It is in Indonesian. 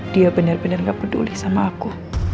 dia bener bener gak peduli sama aku